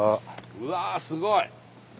うわすごい！